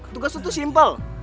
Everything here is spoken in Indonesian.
tugas lu tuh simple